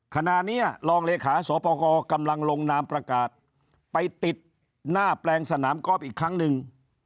ขณะนี้รองเลขาสวปกรกำลังลงนามประกาศไปติดหน้าแปลงสนามกอล์ฟอีกครั้งหนึ่ง